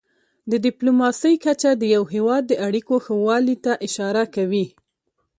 د ډيپلوماسی کچه د یو هېواد د اړیکو ښهوالي ته اشاره کوي.